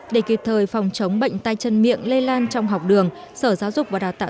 để kịp thời phòng chống bệnh tay chân miệng lây lan trong học đường sở giáo dục và đào tạo